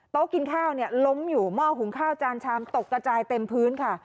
กินข้าวเนี่ยล้มอยู่หม้อหุงข้าวจานชามตกกระจายเต็มพื้นค่ะ